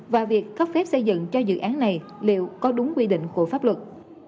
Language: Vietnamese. và việc cấp phép xây dựng cho dự án này liệu có đúng quy định của pháp luật